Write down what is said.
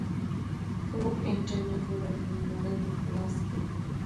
که موږ انټرنیټ ولرو نو نړۍ مو په لاس کې ده.